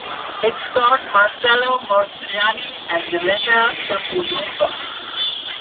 It stars Marcello Mastroianni and Yelena Safonova.